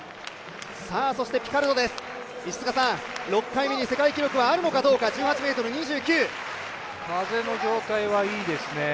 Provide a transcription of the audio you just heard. そしてピカルドです、６回目に世界記録はあるのかどうか風の状態はいいですね。